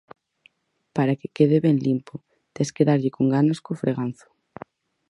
Para que quede ben limpo, tes que darlle con ganas co freganzo